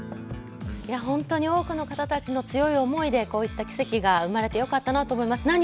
本当に多くの方たちの強い思いでこういった奇跡が生まれてよかったなと思います。